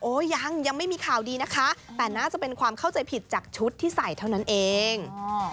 ยังยังไม่มีข่าวดีนะคะแต่น่าจะเป็นความเข้าใจผิดจากชุดที่ใส่เท่านั้นเอง